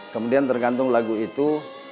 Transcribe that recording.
kemudian tergantung lagu itu